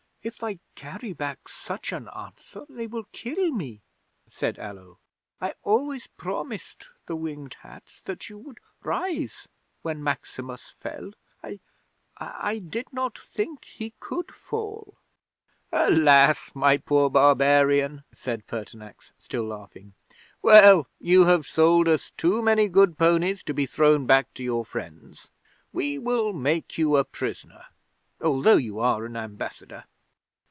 '"If I carry back such an answer they will kill me," said Allo. "I always promised the Winged Hats that you would rise when Maximus fell. I I did not think he could fall." '"Alas! my poor barbarian," said Pertinax, still laughing. "Well, you have sold us too many good ponies to be thrown back to your friends. We will make you a prisoner, although you are an ambassador."